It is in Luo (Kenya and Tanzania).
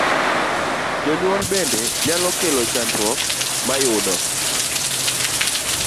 Jonyuol bende nyalo kelo chandruok ma yudo